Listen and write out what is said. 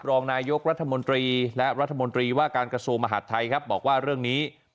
รองนายกรัฐมนตรีและรัฐมนตรีว่าการกระทรวงมหาดไทยครับบอกว่าเรื่องนี้